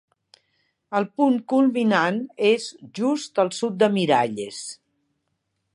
El punt culminant és just al sud de Miralles.